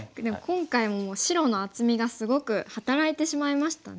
今回もう白の厚みがすごく働いてしまいましたね。